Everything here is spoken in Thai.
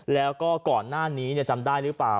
แล้วก็ก่อนหน้านี้จำได้หรือเปล่า